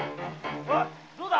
おいどうだ？